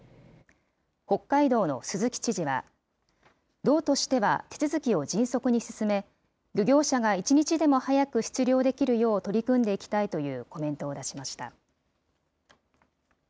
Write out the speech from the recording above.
北海道の鈴木知事は、道としては手続きを迅速に進め、漁業者が一日でも早く出漁できるよう取り組んでいきたいというコメントを出しました。